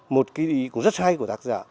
một cái ý cũng rất hay của tác giả